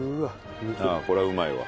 ああこれはうまいわ。